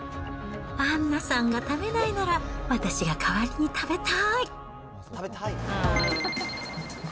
アンナさんが食べないなら、私が代わりに食べたい。